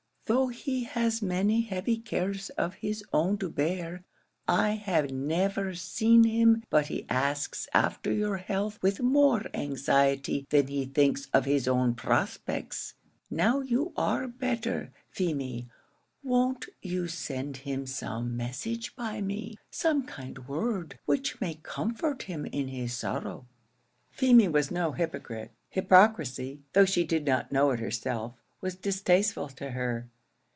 Though he has many heavy cares of his own to bear, I have never seen him but he asks after your health with more anxiety than he thinks of his own prospects. Now you are better, Feemy, won't you send him some message by me? some kind word, which may comfort him in his sorrow?" Feemy was no hypocrite; hypocrisy, though she did not know it herself, was distasteful to her.